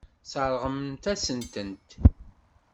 Sseṛɣen-asent-tent.